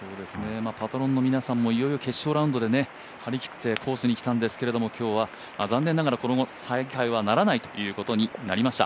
パトロンの皆さんもいよいよ決勝ラウンドで張り切って来たんですけど今日は、残念ながら再開はならないということになりました。